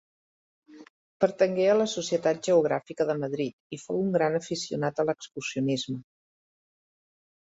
Pertangué a la Societat Geogràfica de Madrid i fou un gran aficionat a l'excursionisme.